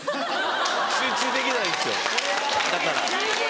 集中できないんですよだから。